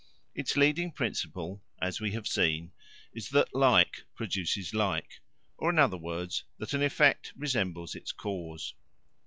Its leading principle, as we have seen, is that like produces like, or, in other words, that an effect resembles its cause.